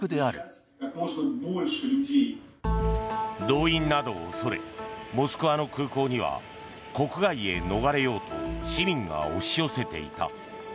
動員などを恐れモスクワの空港には国外へ逃れようと市民が押し寄せていた。